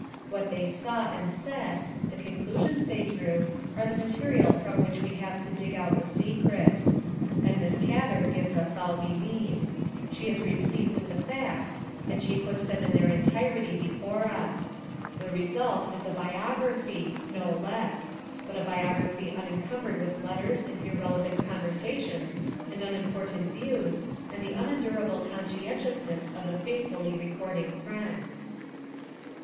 What they saw and said, the con clusions they drew, are the material from which we have to dig out the secret. And Miss Gather gives us all we need. She is replete with the facts and she puts them in their entirety before us. The result is a biog raphy, no less; but a biography unencumbered with/ letters and irrelevant conversations and unimportant views and the unendurable conscientiousness of the faithfully recording friend.